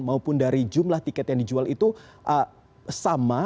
maupun dari jumlah tiket yang dijual itu sama